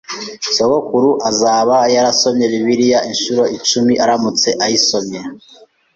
Sogokuru azaba yarasomye Bibiliya inshuro icumi aramutse ayisomye.